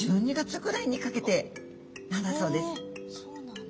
そうなんだ。